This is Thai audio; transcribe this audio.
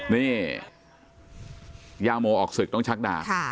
นี่ย่าโมออกศึกต้องชักดา